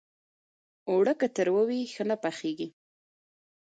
اوړه که ترۍ وي، ښه نه پخېږي